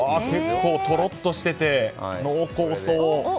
結構とろっとしてて濃厚そう。